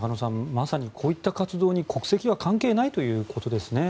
まさにこういった活動に国籍は関係ないということですね。